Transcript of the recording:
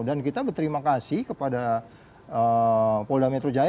dan kita berterima kasih kepada polda metro jaya